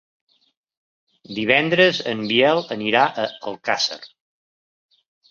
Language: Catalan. Divendres en Biel anirà a Alcàsser.